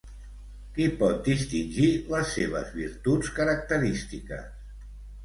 Qui pot distingir les seves virtuts característiques?